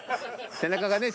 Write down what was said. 背中がね